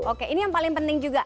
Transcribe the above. oke ini yang paling penting juga